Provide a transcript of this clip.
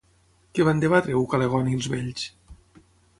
Què van debatre Ucalegont i els vells?